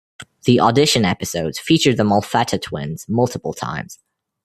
The audition episodes featured the Molfetta twins multiple times.